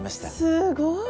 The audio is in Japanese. すごい！